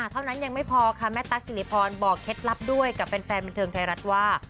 เท่านั้นยังไม่พอค่ะแม่ตั๊กสิริพรบอกเคล็ดลับด้วยกับแฟนบันเทิงไทยรัฐว่า